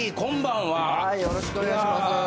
よろしくお願いします。